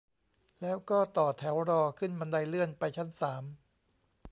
แล้วก็ต่อแถวรอขึ้นบันไดเลื่อนไปชั้นสาม